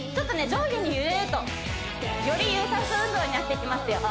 上下に揺れるとより有酸素運動になっていきますよ